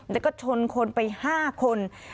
แล้วก็ชนคนไป๕คน